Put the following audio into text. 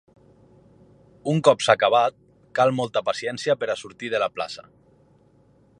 Un cop s’ha acabat, cal molta paciència per a sortir de la plaça.